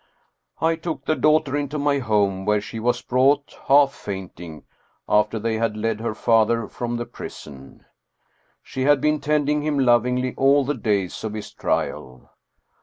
I took the daughter into my home, where she was brought, half fainting, after they had led her father from the prison. She had been tending him lovingly all the days of his trial.